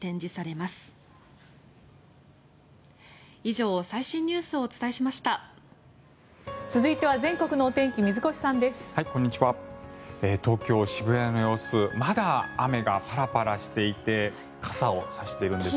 まだ雨がパラパラしていて傘を差しているんです。